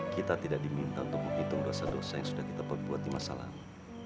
kita tidak diminta untuk menghitung dosa dosa yang sudah kita perbuat di masa lalu